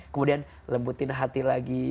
kemudian lembutin hati lagi